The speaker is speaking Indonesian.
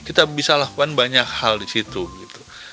kita bisa lakukan banyak hal di situ gitu